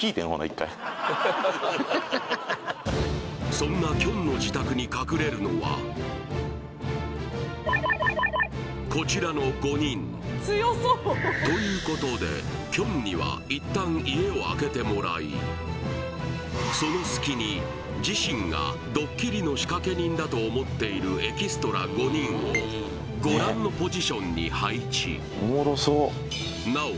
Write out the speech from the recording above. そんなきょんの自宅に隠れるのはこちらの５人ということできょんにはその隙に自身がドッキリの仕掛け人だと思っているエキストラ５人をご覧のポジションに配置なお